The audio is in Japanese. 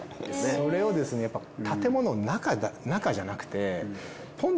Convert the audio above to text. それをですねやっぱ建物の中じゃなくて。